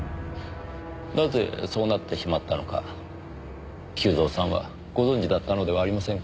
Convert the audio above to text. なぜそうなってしまったのか久造さんはご存じだったのではありませんか？